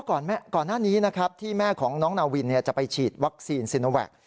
ก่อนหน้านี้นะครับที่แม่ของน้องนาวินจะไปฉีดวัคซีนซีโนแวค